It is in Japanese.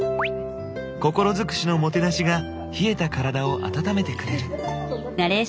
心尽くしのもてなしが冷えた体を温めてくれる。